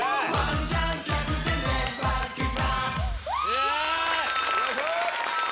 イエーイ！